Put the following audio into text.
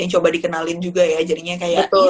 yang coba dikenalin juga ya jadinya kayak